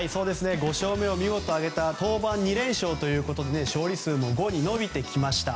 ５勝目を見事挙げた登板２連勝ということで勝利数も５に伸びてきました。